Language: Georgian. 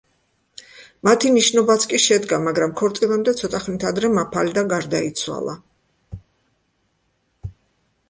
მათი ნიშნობაც კი შედგა, მაგრამ ქორწილამდე ცოტა ხნით ადრე მაფალდა გარდაიცვალა.